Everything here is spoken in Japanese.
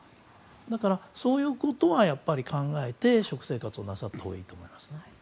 だから、そういうことは考えて食生活をなさったほうがいいと思います。